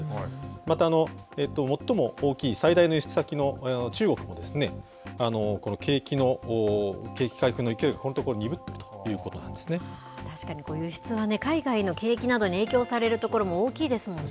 また、最も大きい最大の輸出先の中国も、景気回復の勢いがここのところ、確かに、輸出は海外の景気などに影響されるところも大きいですもんね。